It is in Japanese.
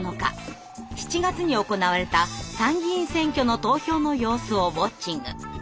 ７月に行われた参議院選挙の投票の様子をウォッチング。